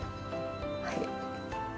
はい。